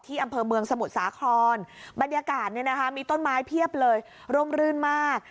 อำเภอเมืองสมุทรสาครบรรยากาศเนี่ยนะคะมีต้นไม้เพียบเลยร่มรื่นมาก